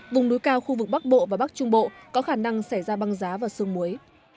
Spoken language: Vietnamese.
vùng núi cao khu vực bắc bộ và bắc trung bộ có khả năng xảy ra băng giá và sương muối